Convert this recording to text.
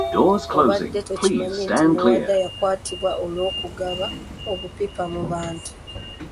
Obadde tokimanyi nti Muwada yakwatibwa olw’okugaba obupipa mu bantu.